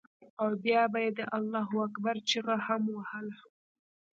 او بيا به یې د الله اکبر چیغه هم وهله.